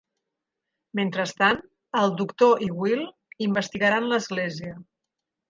Mentrestant, el Doctor i Will investigaran l'església.